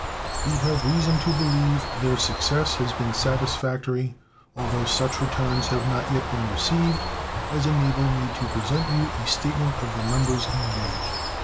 We have reason to believe their success has been satisfactory, although such returns have not yet been received as enable me to present you a statement of the numbers engaged.